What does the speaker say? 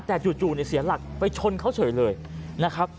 แต่จู่เสียหลักไปชนเขาเฉยเลยนะครับ